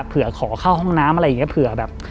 เผื่อขอเข้าห้องน้ำอะไรอย่างนี้เผื่อแบบ